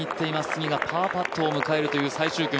次がパーパットを迎えるという最終組。